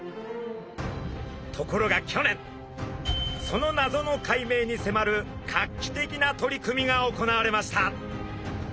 ところが去年その謎の解明に迫る画期的な取り組みが行われました。